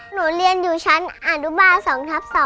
เรียนอยู่ชั้นอนุบาล๒ทับ๒